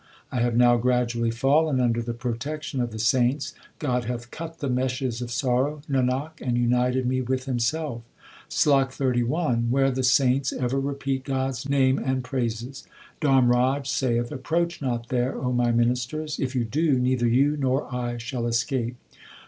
I have now gradually fallen under the protection of the saints ; God hath cut the meshes of sorrow, Nanak, and united me with Himself. SLOK XXXI Where the saints ever repeat God s name and praises Dharmraj saith, c Approach not there, O my ministers : if you do, neither you nor I shall escape.